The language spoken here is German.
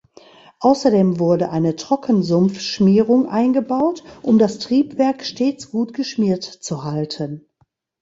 Außerdem wurde eine Trockensumpfschmierung eingebaut, um das Triebwerk stets gut geschmiert zu halten.